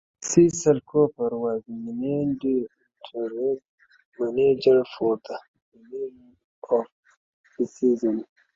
Cecil Cooper was named interim manager for the remainder of the season.